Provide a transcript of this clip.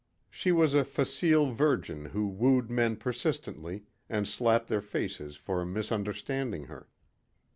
She was a facile virgin who wooed men persistently and slapped their faces for misunderstanding her.